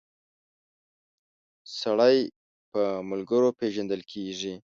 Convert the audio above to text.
سړی په ملګرو پيژندل کیږی